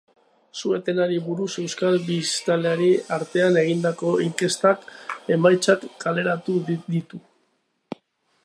Su-etenari buruz euskal biztanleen artean egindako inkestaren emaitzak kaleratu ditu.